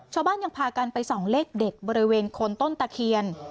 ชาวบ้านยังพากันไปส่องเลขเด็ดบริเวณคนต้นตะเคียน